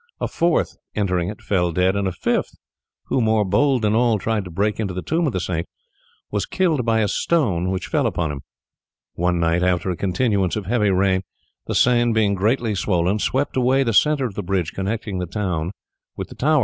A fourth entering it fell dead; and a fifth, who, more bold than all, tried to break into the tomb of the saint, was killed by a stone which fell upon him. One night after a continuance of heavy rain the Seine, being greatly swollen, swept away the centre of the bridge connecting the tower with the town.